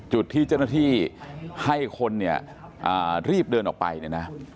จุดที่เจ้าหน้าที่ให้คนเนี่ยรีบเดินออกไปเนี่ยนะ